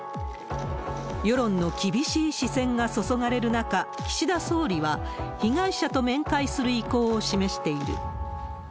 世論の厳しい視線が注がれる中、岸田総理は被害者と面会する意向を示している。